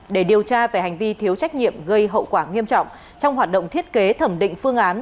để điều tra về hành vi thiếu trách nhiệm gây hậu quả nghiêm trọng trong hoạt động thiết kế thẩm định phương án